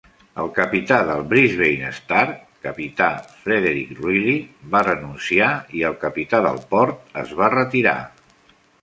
El capità del "Brisbane Star", Capità Frederick Riley, va renunciar, i el capità del port es va retirar.